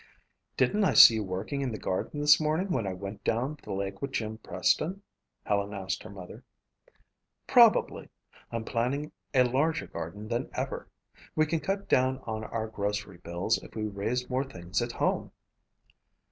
"Didn't I see you working in the garden this morning when I went down the lake with Jim Preston?" Helen asked her mother. "Probably. I'm planning a larger garden than ever. We can cut down on our grocery bills if we raise more things at home."